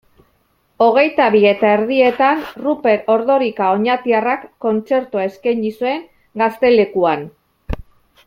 Hogeita bi eta erdietan Ruper Ordorika oñatiarrak kontzertua eskaini zuen Gaztelekuan.